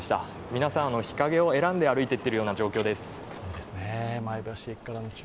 皆さん、日陰を選んで歩いていっているような状況です。